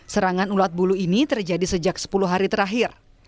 serangan ulat bulu ini terjadi sejak sepuluh hari terakhir